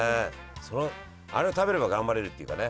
あれを食べれば頑張れるっていうかね。